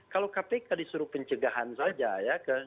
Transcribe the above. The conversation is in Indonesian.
kalau kpk disuruh pencegahan saja ya